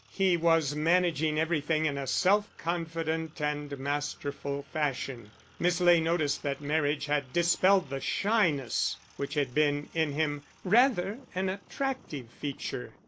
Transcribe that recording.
He was managing everything in a self confident and masterful fashion; Miss Ley noticed that marriage had dispelled the shyness which had been in him rather an attractive feature.